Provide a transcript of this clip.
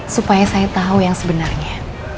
supaya saya tahu yang sebenarnya